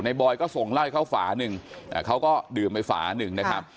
บอยก็ส่งเหล้าให้เขาฝาหนึ่งเขาก็ดื่มไปฝาหนึ่งนะครับ